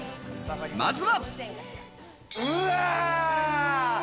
まずは。